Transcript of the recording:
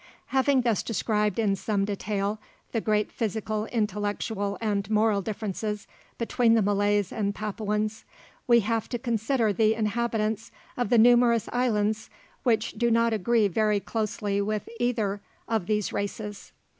Having thus described in some detail, the great physical, intellectual, and moral differences between the Malays and Papuans, we have to consider the inhabitants of the numerous islands which do not agree very closely with either of these races.